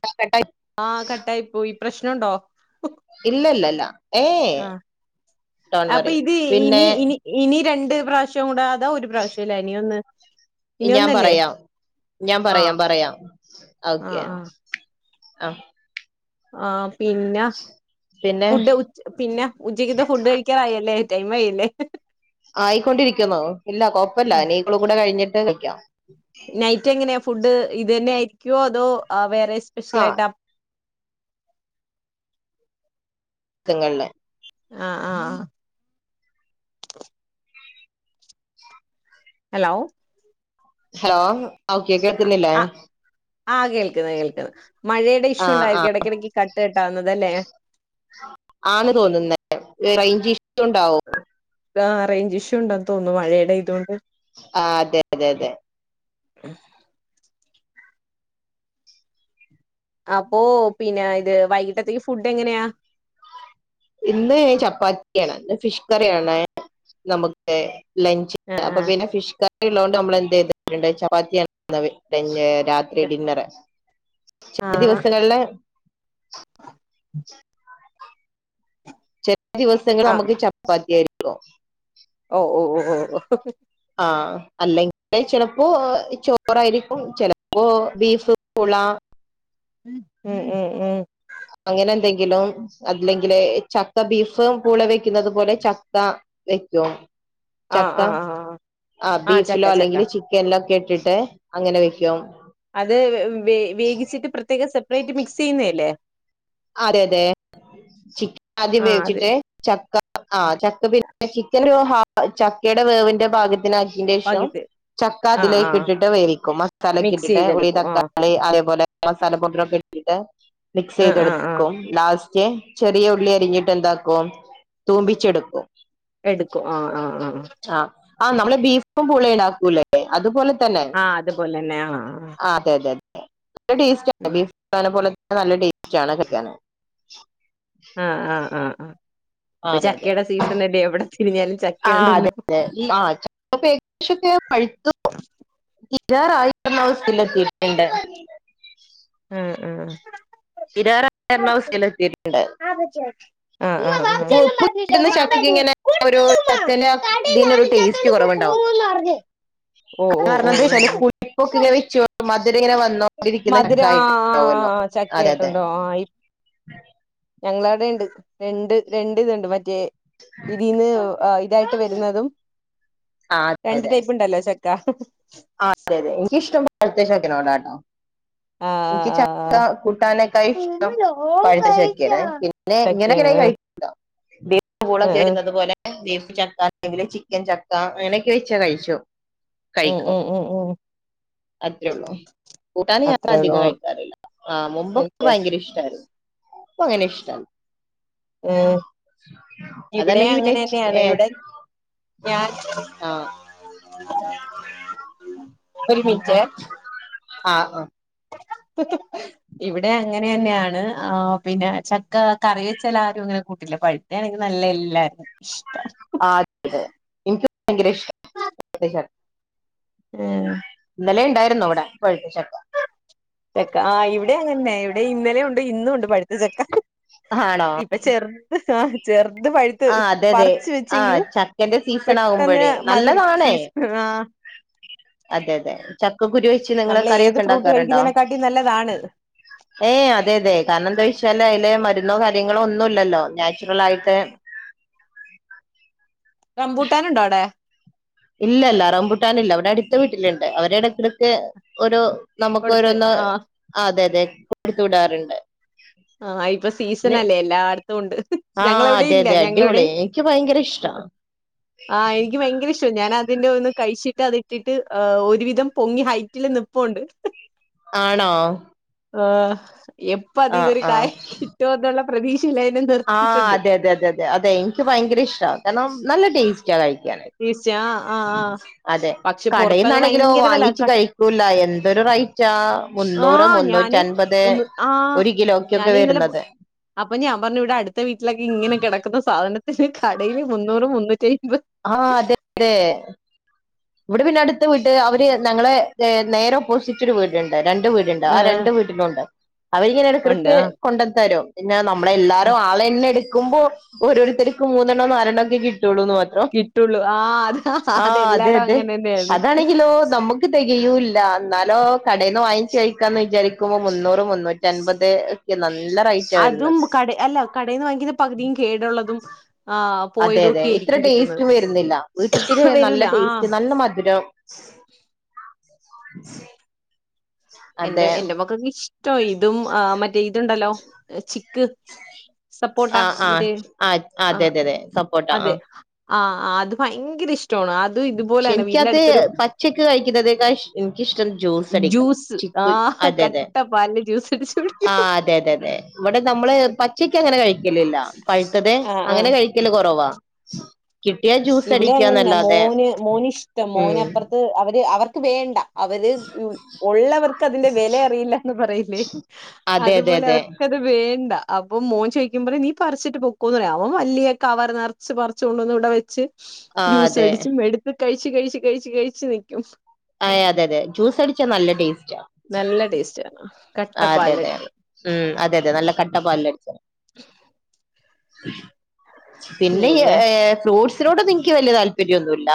ന്താ കട്ടായോ? ആഹ് കട്ടായിപ്പോയി. പ്രശ്നോണ്ടോ? ഇല്ലല്ലല്ല. ഏയ് ഡോൺ അപ്പൊ വറി ഇത് ഇനി പിന്നെ ഇനി ഇനി രണ്ട് പ്രാവശ്യം കൂടെ അതോ ഒരു പ്രാവശ്യല്ലേ ഇനി ഒന്ന്. ഇനി ഞാൻ ഒന്നല്ലേ പറയാം. ഞാൻ പറയാം ആഹ് പറയാം. ഓക്കെ ആഹ് ആഹ് ആ പിന്ന പിന്നെ ഫുഡ് ഉ ച്ച പിന്ന ഉച്ചക്കത്തെ ഫുഡ് കഴിക്കാറായല്ലേ? ടൈമായല്ലേ? ആയിക്കൊണ്ടിരിക്കുന്നു. ഇല്ല കൊഴപ്പല്ലാ. ഞ്ഞി ഈ കാൾ കൂടെ കഴ്ഞ്ഞിട്ട് കയ്ക്കാം. നൈറ്റ് എങ്ങനെയാ ഫുഡ് ഇത് തന്നെ ആയിരിക്കുവോ അതോ ആ വേറെ സ്പെഷ്യൽ ആ ആയിട്ടാ നിങ്ങളുടെ ആഹ ആഹ് [unintelligible] ഹലോ ഹലോ ഓക്കെ കേൾക്കുന്നില്ലേ ആഹ് ആഹ് കേൾക്കുന്നു കേൾക്കുന്നു മഴയുടെ ആ ഇഷ്യൂ ആ ഉണ്ടായിരിക്കും ഇടയ്ക്കിടക്ക് കട്ട് കട്ടാവുന്നത് അല്ലേ ആണ് തോന്നുന്നത് റയ്ഞ്ച് ഇഷ്യു ഉണ്ടാവും ആഹ് റേഞ്ച് ഇഷ്യൂ ഉണ്ടന്ന് തോന്നുന്നു മഴയുടെ ഇത് കൊണ്ട് ആഹ് അതെ അതെ അതെ ഉം [unintelligible] അപ്പോ പിന്നെ ഇത് വൈകിട്ടത്തേക്ക് ഫുഡ് എങ്ങനെയാ ഇന്ന് ചപ്പാത്തി ആണ് ഇന്ന് ഫിഷ് കറിയാണ് നമുക്ക് ലഞ്ച് ആഹ് അപ്പ ആഹ് പിന്നെ ഫിഷ് കറി ഉള്ളതൊണ്ട് നമ്മള്യെന്ത് ച്വയ്തിട്ടുണ്ടെന്ന ചപ്പാത്തി രാത്രി ഒരുഡിന്നറ് ചില ആഹ് ദിവസങ്ങളില് ദിവസങ്ങളൾ ആഹ് നമ്മുക്ക് ചപ്പാത്തി ആയിരിക്കോ ഓ ഓ ഓ ഓ ഓ ഹിക്ഹ്ഹ് ആഹ അല്ലെങ്കിൽ ചിലപ്പോ ചോറായിരിക്കും ചിലപ്പോ ബീഫ് പുള മം മം മം അങ്ങനെ എന്തെങ്കിലും അല്ലെങ്കില് ചക്ക ബീഫും കൂടെ വെക്കതു പോലെ ചക്ക വെക്കോ ആഹ് ചക്ക ആഹ് ആഹ് ആ ആഹ് ബീഫിലോ ചക്ക ചക്ക അല്ലെങ്കിൽ ചിക്ക എല്ലാം ഒക്കെ ഇട്ടിട്ട് അങ്ങനെ വെക്കും അത് വ വേകിച്ചിട്ട് പ്രത്യേകം സെപ്പറേറ്റ് മിക്സ് ചെയ്യുന്ന അല്ലേ അതെ അതെ ചിക്കൻ ആദ്യം ആഹ് അതെ വേവിച്ചിട്ട് ചക്ക ആ ചക്ക പിന്നെ ചിക്കൻ അഫ് ചക്കയുടെ വേവിന്റെ പാകത്തിന് അതിനുശേഷം പകുതി ആഹ് ചക്കാതിലൊക്കെ ആഹ് ഇട്ടിട്ട് വേവിക്കും മസാലക്കെ മിക്സ് ഇട്ടിട്ട് ചെയ്തെടുക്കും ആഹ് തക്കാള അേപലെ അവസാനം [unintelligible] ഇട്ടിട്ട് മിക്സ് ആഹ് ചെയ്തെടുക്കും ആഹ് ആഹ് കും ലാസ്റ്റ് ചെറിയ ഉള്ളി അരിഞ്ഞിട്ട് എന്താക്കും തൂമ്പിച്ചെടുക്കും എടുക്കും ആ ആ ആഹ ആ ആ നമ്മെ ബീഫും പള ഉണ്ടാക്കൂലേ അതുപോലെ തന്നെ ആ അതുപോലെ തന്നെ ആ ആ അതെ അതെ അതെ നല്ല ടേസ്റ്റ് ബീഫ് പോലെെ നല്ല ടേസ്റ്റ് ആണ് കുന്നത് ആഹ് ആഹ് ആഹ് ആഹ് ആ ഇപ്പൊ അതെ അതെ ചക്കയുടെ സീസൺ അല്ലേ എവിടെ തിരിഞ്ഞാലും ആ അതെ ചക്കയുണ്ടല്ലോ അതെ ആ ചപ്പോ ഏകദേശം പഴുത്ത്പോ ഇരാറായിരുന്ന സ്ഥലത്തിട്ടുണ്ട് മം മം തീരാറാക്കുന്ന അവസ്ഥയിൽ എത്തിയിട്ടുണ്ട് [unintelligible] ആആാാ വാപ്പച്ചിയൊന്നും പറഞ്ഞില്ല കിട്ടുന്ന ഉമ്മ ചക്കക്ക് ഇങ്ങനെ കുട്ടിയില്ലയുമ്മ കടയിൽ ആളില്ലാത്ത കുറവുണ്ടാകും ഓ ഓ ഓ കാരണമെന്ത് വെച്ചാൽ [unintelligible] ഓ ഇ ഇങ്ങനെ മധുര ആ ആ വന്നോണ്ടിരിക്കുന്നക്കായിട്ടുല്ലോ ആ അതെ അതെ ചക്കയായിട്ടുണ്ടോ ഞങ്ങള അവിടെ ഉണ്ട് രണ്ട് രണ്ട് ഇതുണ്ട് മറ്റേ ഇതിന്ന് ഇതായിട്ട് വരുന്നതും ആ അതെ രണ്ട് അതെ ടൈപ്പ് ഉണ്ടല്ലോ [unintelligible] [unintelligible] ആ എനിക്ക് ആ ആ ചക്ക കൂട്ടാനൊക്കെ ഇഷ്ടം ഓൻ പഴുത്ത കഴിച്ചോ ചക്കാണ് പിന്നെ ചക്കയാണ് ഇങ്ങനെയൊക്കെയാണെങ്കിലും കഴി ആ ആ [unintelligible] ബീഫ് ചക്ക അല്ലെങ്കില് ചിക്കൻ ചക്ക അങ്ങനെയൊക്കെ വെച്ചാ കഴിച്ചോ ഉം കഴിക്കും ഉം ഉം ഉം അത്രയുള്ളൂ കൂട്ടാനിഞാ അത്രേ അധികം ഉള്ളൂ കഴിക്കാറില്ല ആഹ് മുമ്പൊക്കെ കഴിക്കാൻ ഭയങ്കര ഇഷ്ടമായിരുന്നു ഇപ്പ അങ്ങനെ ഇഷ്ടൽ ഏഹ് ഇവിടെ അതല്ലെങ്കി പിന്നെ അങ്ങനെ അന്നെയാണ് ഇവിടെ ഞാൻ ആഹ്. [unintelligible] [unintelligible] ഒരു മിൻറ്റെ. ആഹ് ഒ. [inaudible] ഇവിടെ അങ്ങനെ തന്നെയാണ് ആഹ് പിന്നെ ചക്ക കറി വെച്ചൽ ആരും ഇങ്ങനെ കൂട്ടില്ല പഴ് അങ്ങനെ ആണെങ്കി നല്ലെ എല്ലാ ആഹ് അത [unintelligible] അതെ എനിക്ക് ഭയങ്കരിഷ് [unintelligible] ഏഹ് ഇന്നലെ ഇണ്ടായിരുന്നോ ഇവടെ പഴുത്ത ചക്ക. ചക്ക ആഹ് ഇവിടെ അങ്ങന്നെ ഇവിടെം ഇന്നലെ ഉണ്ട് ഇന്നുണ്ട് പഴുത്ത ചക്ക. ആണോ ഇപ്പൊ ചെറുത് ആഹ് ചെറുത് പഴുത്ത് ആ അതെ അതെ പറിച്ച് ആ വെച്ചെങ്കിലും ചക്കന്റെ സീസൺ പെട്ടെന്ന് ആകുമ്പോഴേ മതുരി നല്ലതാണേ സീസ് ആഹ്. അതെ അതെ ചക്കക്കുരു വെച്ച് നിങ്ങള് നമ്മൾ ഏത് കറിയൊക്കെ ഫ്രൂട്ട് ഇണ്ടാക്കാറുണ്ടോ? കഴിക്കുന്നതിനെക്കാട്ടി നല്ലതാണ് ഏയ അതെ അതെ കാരണം എന്താ വച്ചാല് അയില് മ രുന്നോ കാര്യങ്ങളോ ഒന്നുമില്ല ല്ലോ നാച്ചുറൽ ആയിട്ട് റംമ്പൂട്ടാനുണ്ടോ ആടെ? ഇല്ല ഇല്ല റംബൂട്ടാനില്ല ഇവിടെ അടുത്ത വീട്ടിലുണ്ട് അവര് ഇടക്കിടയ്ക്ക് ഓരോ നമുക്ക്‌ കൊടുത്ത് ഓരോന്ന് ആ അതെ അതെ കൊടുത്ത് വിടാറുണ്ട്. ആഹ് ഇപ്പ സീസൺ ന്ന് അല്ലേ എല്ലാടുത്തും ഉണ്ട് ഞങ്ങളവിടെം ഇല്ല ഞങ്ങളവിടെം യ്ക്ക് ഭയങ്കര ഇഷ്ടാ. ആഹ് എനിക്ക് ഭയങ്കര ഇഷ്ടാ ഞാന് അതിന്റെ ഒന്ന് കഴിച്ചിട്ട് അത് ട്ടിട്ട് ഒരുവിധം പൊങ്ങി ഹൈറ്റില് നിപ്പൊണ്ട്. ആണോ? ആഹ് എപ്പ ആ അതീന്നൊരു കായ കിട്ടുമെന്നുള്ള പ്രതീക്ഷയിലായി ആഹ് അതെ അതെ അതെ അതെ എനിക്ക് ഭയങ്കര ഇഷ്ടാ കാരണം നല്ല ടേസ്റ്റാ കഴി ടേസ്റ്റ് ആഹ് ആഹ് ആഹ് പക്ഷെ പൊറത്തൊക്കെ ഭയങ്കര വെല ച്ച് ക കഴിക്കൂല എന്തൊരു റൈറ്റാ മുന്നൂറ് ആഹ് ഞാന് മുന്നൂറ്റൻമ്പത് ഒന്ന് ആഹ് ഒരു കിലോ യ്ക്ക്‌ ഞാന് ഇന്നലെ പോ- വരുന്നത്. അപ്പൊ ഞാൻ പറഞ്ഞു ഇവിടെ അടുത്ത വീട്ടിലൊക്കെ ഇങ്ങനെ കിടക്കുന്ന സാധനത്തിന് കടയിൽ മുന്നൂറ് മുന്നൂറ്റയ്മ്പത് ആഹ് അതെ അതെ. ഇവിടെ പിന്നെ അടുത്ത വീട്ട് അവര് നങ്ങളെ നേരെ ഓപ്പോസിറ്റ് ഒരു വീടുണ്ട് രണ്ട് വീട് രുണ്ടോ ആ ഏഹ് രണ്ട് വീട്ടിലുണ്ട് അവരിങ്ങനെ ഉണ്ട് ഇടയ്ക്കിടക്ക് കൊണ്ട്ത്തരും പിന്നെ ന ആഹ് മ്മളെല്ലാരും ആളെണ്ണി എടുക്കുമ്പോ ഓരോരുത്തർക്ക് മൂന്നെണ്ണം നാല് എണ്ണം ഒക്കെ കിട്ടുള്ളൂ എന്ന് മാ കിട്ടുള്ളൂ ആഹ് അതാ അതെല്ലായിടോം അങ്ങനെ തന്നെയാണ്. ന്തെ കിലോ നമുക്ക് തെകയൂല്ല എന്നാലോ കടേന്ന് വാങ്ങിച്ചു കഴിക്കാ എന്ന് വിചാരിക്കുമ്പോ മുന്നൂറ് മുന്നൂറ്റി റ്റൻപത് ഒക്കെ നല്ല റൈറ്റാ അതും വരുന്നത്. കട അല്ല കടേന്ന് വാങ്ങിക്കുന്ന പകുതിയും കേടുള്ളതും ആഹ് അതെ അതെ പോയതൊക്കെ ഇത്ര ആയിരിക്കും കിട്ടുന്നത് ടേസ്റ്റ് വരുന്നില്ല വീട്ടിത്തേന് നല്ല വരൂല ആഹ് ടേസ്റ്റ് നല്ല മധുരം. എന്റെ അതെ എന്റെ മക്കക്ക് ഇഷ്ടാ ഇതും ആഹ് മറ്റേ ഇതുണ്ടല്ലോ ചിക്ക് സപ്പോട്ടാ മറ്റേ ആഹ് രെ സപ്പോട്ട് അതെ ആഹ് ആഹ് അത് ഭയങ്കര ഇഷ്ടമാണ് അ ക്ഷേ എനിക്കത് പച്ചക്ക് കഴിക്കുന്നതേക്കാ എനിക്കിഷ്ടം ജ്യൂസ് അടിക്കണം ജ്യൂസ് ചി ക്കു ആഹ് അതെ അതെ കട്ട പാലില് ജ്യൂസ് അടിച്ചു കുടിക്കും ആഹ് അതെ അതെ അതെ. ഇവിടെ നമ്മള് പച്ചക്ക് അങ്ങനെ കഴിക്കലില്ല പഴുത്തത് ആഹ് ആഹ് അങ്ങനെ കഴിക്കല് കൊറവാ. കിട്ടിയാ ജ്യൂസ് ഇവിടെ അങ്ങനെന്നെ അടിക്കാന്നല്ലാതെ മോന് മോന് ഇഷ്ടാ ഉം മോനപ്പറത്ത് അവര് അവർക്ക് വേണ്ട അവര് ഉള്ളവർക്ക് അതിന്റെ വില അറിയില്ലന്ന് പറയില്ലേ അതെ അതെ അതുപോലെ അതെ അവർക്ക് അത് വേണ്ട അപ്പം മോൻ ചോയിക്കുമ്പോ നീ പറിച്ചിട്ട് പൊക്കോന്ന് പറയും അവൻ വല്യ കവർ നെറ പറിച്ച് കൊണ്ടന്ന് ഇവിടെ വെച്ച് ആ ജ്യൂസ് അതെ അടിച്ചും എടുത്ത് കഴിച്ച് കഴിച്ച് കഴിച്ച് കഴിച്ച് നിക്കും അയ് അതെ അതെ ജ്യൂസ് അടിച്ചാ നല്ല ടേസ്റ്റാ നല്ല ടേസ്റ്റാ അതെ അതെ ഉം അതെ അതെ നല്ല കട്ടപ്പാലിൽ അടിച്ചാ പിന്നെ ഏഹ് ഫ്രൂട്ട്സിനോടൊന്നും എനിക്ക് വല്യ താല്പര്യൊന്നുല്ല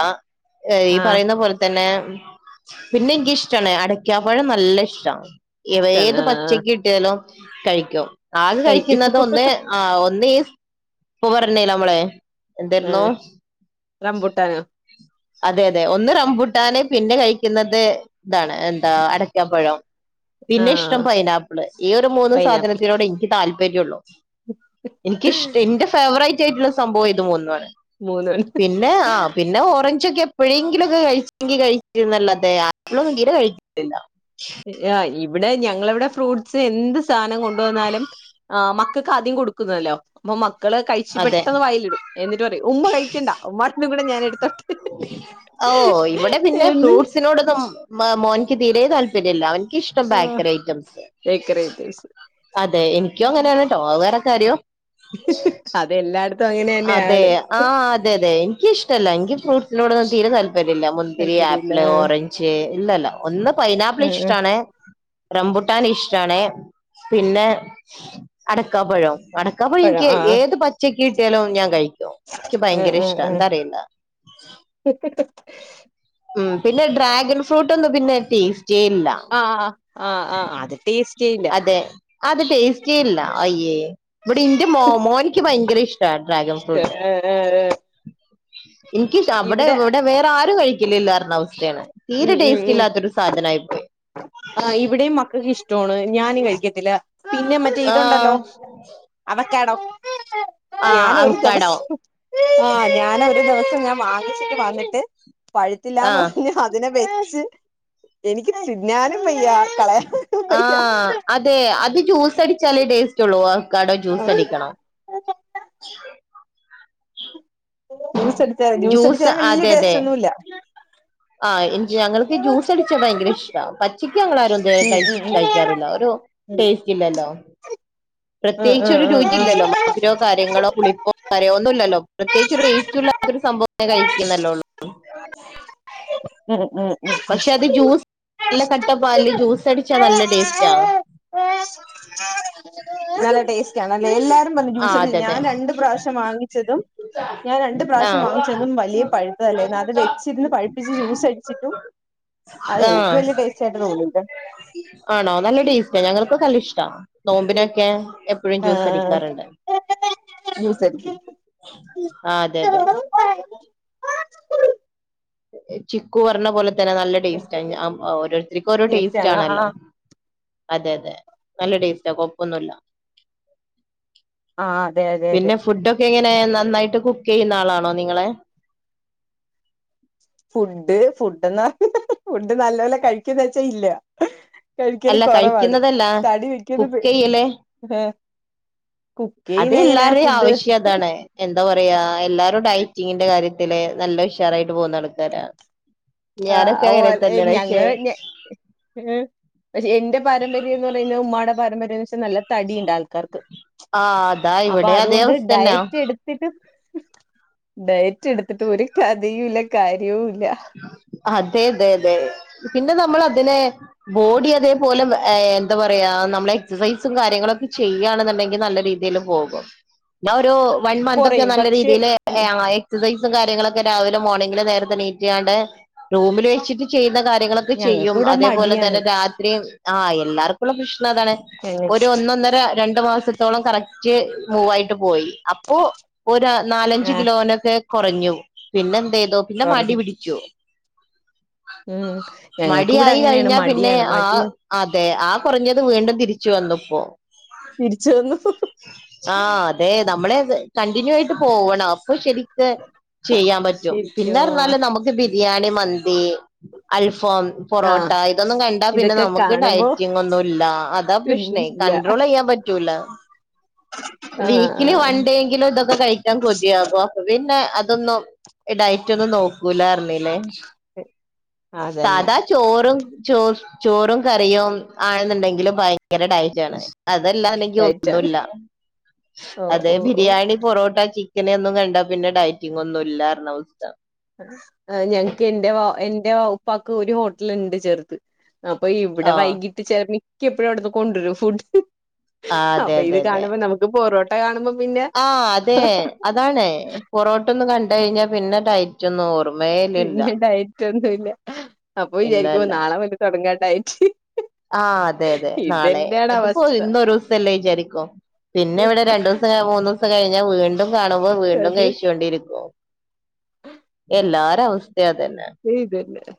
ഏഹ് ഈ ആഹ് പറയുന്ന പോലെ തന്നെ പിന്നെ എനിക്ക് ഇഷ്ടാണ് അടക്കാപ്പഴം നല്ല ഇഷ്ടാ ഇഷ്ടാണ് ഏത് ആഹ് പച്ചക്ക് കിട്ടിയാലും കഴിക്കും ആകെ കഴിക്കും കഴിക്കുന്നത് ഒന്ന് ആഹ് ഒന്നീ ഇപ്പപറഞ്ഞില്ലെ നമ്മള് എന്തായിരുന്നു റംമ്പുട്ടാനോ അതെ അതെ ഒന്ന് റംമ്പുട്ടാന്, പിന്നെ കഴിക്കുന്നത് ഇതാണ്, എന്താ അടക്കാപ്പഴം. പിന്നെ ഇഷ്ടം ആഹ് പൈനാപ്പിള്. ഈ ഒരു മൂന്ന് പൈനാപ്പിൾ സാധനത്തിനോടെ എനിക്ക് താല്പര്യം ഒള്ളു. എനിക്ക് ഇഷ്ടം എന്റെ ഫേവറേറ്റ് ആയിട്ടുള്ള സംഭവം ഇത് മൂന്നാണ്. മൂന്നെണ്ണം പിന്നെ ആ പിന്നെ ഓറഞ്ച് ഓറഞ്ചൊക്കെ എപ്പോഴെങ്കിലൊക്കെ കഴിച്ചെങ്കിൽ കഴിച്ചെന്നല്ലാതെ ആപ്പിൾ ഒന്നും തീരെ കഴിച്ചിട്ടില്ല ആ ഇവിടെ ഞങ്ങളെ ഇവിടെ ഫ്രൂട്ട്സ് എന്ത് സാധനം കൊണ്ട വന്നാലും ആഹ് മ മക്കൾക്ക് ആദ്യം കൊടുക്കുന്നല്ലോ അപ്പൊ മക്കള് കഴിച്ചു അതെ പെട്ടെന്ന് വായിലിടും. എന്നിട്ട് പറയും. ഉമ്മ കഴിക്കണ്ട ഉമ്മാൻ്റെയും കൂടെ ഞാന് എടുേത്താട്ടെന്ന് ഓ ഇവിടെ പിന്നെ എന്ന് ഫ്രൂട്ട്സിനോടൊന്നും മോനിക്ക് തീരെ താല്പര്യമില്ല. അവൻ ഇഷ്ടം ആഹ് ബേക്കറി ഐറ്റംസ്. ഡെക്കറേറ്റീവ്സ് അതെ എനിക്കും അങ്ങനെയാണ് ട്ടോ. അത് വേറെ കാര്യം. അതെല്ലായിടത്തും അങ്ങനെ അതെ തന്നെയാണ് ആഹ് അതെ അതെ, എനിക്ക്ഷ്ടല്ല എനിക്ക് ഫ്രൂട്സിനോടൊന്നും തീരെ താൽ പര്യമില്ല. മുന്തിരി, താല്പര്യമില്ല ആപ്പിള്, ഓറഞ്ച് ഇല്ലല്ല, ഒന്ന് പൈനാപ്പിൾ ആഹ് ആഹ് ആഹ് ഇഷ്ടാണേ റംമ്പുട്ടാൻ ഇഷ്ടാണേ. പിന്നെ അടക്കാപ്പഴം അടക്കപ്പഴം പഴം എനിക്ക് ആഹ് ഏത് പച്ചക്ക് കിട്ടിയാലും ഞാൻ കഴിക്കും. എനിക്ക് ഭയങ്കര ഇഷ്ടാ. എന്താ അറിയില്ല ഹി ഹി ഹി... ഉം പിന്നെ ഡ്രാഗൺ ഫ്രൂട്ട് ഒന്നും പിന്നെ ടേസ്റ്റിയേ ഇല്ല ആഹ് ആഹ് ആഹ് അത് ടേസ്റ്റേ ഇല്ല. അതെ അത് ടേസ്റ്റി ഇല്ല. അയ്യേ, ഇവിടെ എന്റെ മോനിക്ക് ഭയങ്കരം ഇഷ്ടാ ഡ്രാഗൻ ഇഷ്ടാല്ലേ. [unintelligible] എനിക്ക് അവിടെ ഇവിടെ വേറെ ആരും കഴിക്കില്ല ഇല്ലാരുന്ന അവസ്ഥയാണ് ഉം തീരെ ടേസ്റ്റ് ഇല്ലാത്തൊരു സാധനായി പോയി. ആ ഇവിടെയും മക്കൾക്ക് ഇഷ്ടമാണ്. ഞാനും കഴിക്കത്തില്ല. പിന്നെ മറ്റേ ഇതുണ്ടല്ലോ ആഹ് അവക്കാഡോ ആഹ് ഞാനും ഒരു അവക്കാടോ ദിവസം ആഹ് ഞാനും ഒരു ദിവസം ഞാൻ വാങ്ങിച്ചിട്ട് വന്നിട്ട് പഴുത്തില്ലാന്ന് ആഹ് പറഞ്ഞ് അതിനെ വെച്ച്, എനിക്ക് തിന്നാനും വയ്യ. കളയാനും ആ വയ്യ അതെ. അത് ജ്യൂസ് അടിച്ചാലേ ടേസ്റ്റ് ഉള്ളൂ. അവക്കാടെ ജ്യൂസ് അടിക്കണം. ജ്യൂസ് ടിച്ചാല്, ജ്യൂസ് അടിച്ചാല് വലിയ അതെ അതെ ടേസ്റ്റ് ഒന്നുമില്ല. ആഹ് ഞങ്ങൾക്ക് ജ്യൂസ് അടിച്ചാ ഭയങ്കര ഇഷ്ടാ പ ചിക്കു ഞങ്ങളാരും ക ഉം ഉം കഴിക്കാറില്ല ഒരു ഉം ടേസ്റ്റ് ഇല്ലല്ലോ ഉം പ്രത്യേകിച്ച് ഒരു രുചി ഉം ഇല്ലല്ലോ. മതിരോ, കാര്യങ്ങളോ, പുളിപ്പോ മധുരം ഒന്നുമില്ലല്ലോ. പ്രത്യേകിച്ച് ഒരു ടേസ്റ്റ്ല്ലാതൊരു സംഭവം ഉം കഴിക്കുന്നല്ലേ ഉള്ളൂ. ഉം ഉം ഉം ഉം പക്ഷെ അത്. ജ്യൂസ് നല്ല കട്ടപ്പാലില്, ജ്യൂസ് അടിച്ചാ നല്ല ടെസ്റ്റാ നല്ല ടേസ്റ്റ് ആണല്ലേ എല്ലാരും പറഞ്ഞു ആ ജൂസടിച്ച അതെ അതെ ഞാൻ രണ്ട് പ്രാവശ്യം വാങ്ങിച്ചതും ഞാൻ രണ്ട് പ്രാവശ്യം ആഹ് വാങ്ങിച്ചതും വലിയ പഴുത്തതല്ലേനും അത് വെച്ചിരുന്ന് പഴത്ത് വെച്ച് ജ്യൂസ് അടിച്ചിട്ടും അതെനിക്ക് ആഹ് വലിയ ടേസ്റ്റ് ആയിട്ട് തോന്നിയില്ല. ആണോ നല്ല ടേസ്റ്റാ ഞങ്ങൾക്ക് നല്ല ഇഷ്ടാ നോമ്പിനൊക്കെ എപ്പോഴും ജ്യൂസ് ആഹ് അടിക്കാറുണ്ട്. ജ്യൂസ് അടിക്കും ആഹ് അതെ അതെ ആഹ് ചിക്കു പറഞ്ഞ പോലെ തന്നെ നല്ല ടേസ്റ്റാണ് ഓരോരുത്തർക്കും ഓരോ ടേസ്റ്റ് ആണ് ആണല്ലോ. ആഹ് അതെ അതെ നല്ല ടേസ്റ്റാ കൊഴപ്പൊന്നുല്ല. ആഹ് അതെ അതെ അതെ പിന്നെ ഫുഡൊക്കെ എങ്ങനെ നന്നായിട്ട് കുക്ക് ചെയ്യുന്ന ആളാണോ നിങ്ങള്. ഫുഡ് ഫുഡ് [unintelligible] ഫുഡ് നല്ല പോലെ കഴിക്കോന്ന് വെച്ചാ ഇല്ല. കഴിക്കല് അല്ല കൊറവാണ് കഴിക്കുന്നതല്ല തടി വെക്കരുത് കുക്ക് ചെയ്യല് ഏഹ് കുക്ക് അത് ചെയ്യുന്ന എങ്ങനെ എല്ലാവരുടെയും ഫുഡ് ആവശ്യം അതാണ് എന്താ പറയാ എല്ലാരും ഡയറ്റിങ്ങിന്റെ കാര്യത്തില് നല്ല ഉഷാറായിട്ട് പോകുന്ന ആൾക്കാരാണ് ആഹ് ഞാനൊക്കെ അങ്ങനെ തന്നെയാണ് ക്ഷേ ഉം പക്ഷെ എന്റെ പാരമ്പര്യം എന്ന് പറയുന്നത് ഉമ്മായുടെ പാരമ്പര്യം എന്ന് വെച്ചാ നല്ല തടിയുണ്ട് ആൾക്കാർക്ക് ആ അതാ അപ്പൊ ഇവിടെ അതേ അതുകൊണ്ട് അവസ്ഥ തന്നാ ഡയറ്റ് എടുത്ത് ഡയറ്റ് എടുത്തിട്ട് ഒരു കഥയും ഇല്ല കാര്യവും ഇല്ല അതെ അതെ അതെ പിന്നെ നമ്മൾ അതിനെ ബോഡി അതേപോലെ എന്താ പറയാ നമ്മൾ എക്സസൈസും കാര്യങ്ങളൊക്കെ ചെയ്യയാണെന്നുണ്ടെങ്കിൽ നല്ല രീതി രീതിയിൽ പോകും [inaudible] ഞാൻ ഒരു വൺ മന്ത് ഒക്കെ കൊറയും നല്ല പക്ഷെ രീതിയിൽ എക്സസൈസും കാര്യങ്ങളൊക്കെ രാവിലെ മോർണിങ്ങില് നേര തന്നെ ക്കാട്ട് റൂമിൽ വെച്ചിട്ട് ചെയ്യുന്ന കാര്യങ്ങളൊക്കെ ഞങ്ങക്ക് ചെയ്യും ഇവിടെ അതേപോലെ മടിയാണ് തന്നെ രാത്രി ആഹ് എല്ലാർക്കു മുള്ള പ്രശ്നം അതാണ് ഞങ്ങ ഒരു ഒന്നൊന്നര രണ്ട് മാസത്തി ത്തോളം കറക്റ്റ് മൂവായിട്ട് പോയി അപ്പോ ഒരു നാലഞ്ച് ആഹ് കിലോനൊക്കെ കുറഞ്ഞു പിന്നെ എന്ത ചെയ്തോ പിന്നെ മടി കൊറഞ്ഞു പിടിച്ചു ഉം ഞങ്ങക്ക് മടി ഇവിടെ ആയി അങ്ങനെയാണ് കഴിഞ്ഞാ പിന്നെ മടിയാണ് ആഹ് മടിയ അതെ ആഹ് കുറഞ്ഞത് വീണ്ടും തിരിച്ചു വന്നപ്പോ തിരിച്ചു വന്നു [unintelligible] ആഹ് അതെ നമ്മളെ കണ്ടിന്യൂ ആയിട്ട് പോവണം അപ്പൊ ശരി ചെയ്യാൻ പറ്റും ശരിക്കും പിന്നെ ആഹ് പറഞ്ഞാല് നമുക്ക് ബിരിയാണി മന്തി അൽഫം പൊറോട്ട ആഹ് ഇതൊന്നും കണ്ടാ പിന്നെ ഇതൊക്കെ നമുക്ക് കാണുമ്പോ ഡയറ്റിങ് ഒന്നും ഇല്ല അതാ പ്രശ്നേ ഇല്ല കൺട്രോൾ ചെയ്യാൻ പറ്റൂല [unintelligible] വീക്കിലി ആഹ് വൺ ഡേങ്കിലും ഇതൊക്കെ കഴിക്കാൻ കൊതിയാകോ പിന്നെ അതൊന്നും ഈ ഡയറ്റൊന്നും നോക്കൂല അറഞ്ഞീലേ അതന്നെ ചോറും ചോ ചോറും കറിയും ആണെന്നുണ്ടെങ്കിലും ഭയങ്കര ഡയറ്റ് ആണ് അതല്ലാ അല്ലെങ്കി ഡയറ്റാണ് ഒന്നുമില്ല ഓഹ് അതെ ഓഹ് ഓഹ് ബിരിയാണി പൊറോട്ട ചിക്കൻ ഒന്നും കണ്ടാ പിന്നെ ഡയറ്റിങ് ഒന്നും ഇല്ലാരുന്ന അവസ്ഥ ഞങ്ങക്ക് എന്റെ വ എന്റെ ഉപ്പക്ക് ഒരു ഹോട്ടലുണ്ട് ചെറുത് അപ്പൊ ഇവിടെ ആഹ് വൈകിട്ട് ചിലമിക്ക എപ്പഴും അവിടുന്ന് കൊണ്ടുവരും ഫുഡ് ആഹ് അതെ അപ്പൊ ഇത് അതെ അതെ കാണുമ്പോ നമുക്ക് പൊറോട്ട കാണുമ്പോ പിന്നെ ആഹ് അതെ അതാണ് പൊറോട്ടൊന്ന് കണ്ട് കഴിഞ്ഞാൽ പിന്നെ ഡയറ്റിനിച്ചോന്നും ഓർമ്മേ പിന്നെ ഡയറ്റ് ഒന്നുംല്ല അപ്പൊ ഇല്ല വിചാരിക്കുമുവ ഇല്ല നാളെ മുതൽ തുടങ്ങാൻ ഡയറ്റ് ആഹ് അതെ അതെ നാളെ ഇതന്നെയാണ് എതിപ്പോ അവസ്ഥ ഇന്നരു ദിവസംല്ലേ വിചാരിക്കോ പിന്നെ ഇവിടെ രണ്ടു ദിവസം മൂന്നു ദിവസം കഴിഞ്ഞാൽ വീണ്ടും കാണുമ്പോൾ വീണ്ടും അത് കഴിച്ചോണ്ടിരിക്കും എല്ലാരവസ്ഥിഅതന്നെ ചെയതല്ല [unintelligible]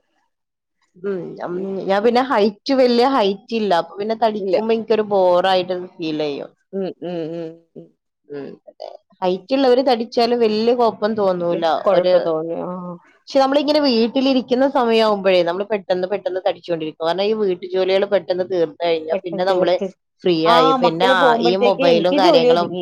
ഉം ഞാൻ പിന്നെ ഹൈറ്റ് വല്യ ഹൈറ്റ്ല്ല അപ്പൊ പിന്നെ ഇല്ല തടിക്കുമ്പഇൻ ക്കൊരു ബോറായിട്ടൊന്ന് ഫീലെയ്യും ഉം ഉം ഉം ഉം ഉം അതെ ഹൈറ്റ്ള്ളവര് തടിച്ചാലും വല്യ കൊഴ പ്പം തോന്നൂല ഒര് കൊഴപ്പം തോന്നി ആഹ് ക്ഷേ നമ്മളിങ്ങനെ വീട്ടിലിരിക്കുന്ന സമയയാവുമ്പഴേ നമ്മള് പെട്ടെന്ന് പെട്ടെന്ന് തടിച്ചുകൊണ്ടിരിക്കും കാരണം ഈ വീട് ട്ട് ജോലികൾ പെട്ടെന്ന് തീർ ത്ത് കഴിഞ്ഞ പിന്നെ പെട്ടെന്ന് നമ്മള് തീർത്ത് ഫ്രീ ആ ആയി, പിന്നാ മക്കള് ഈ പോകുമ്പോഴത്തേക്ക് മൊബൈലും എനിക്ക് ജോലി കാര്യങ്ങളും ഒതുങ്ങി